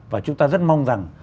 và chúng ta rất mong rằng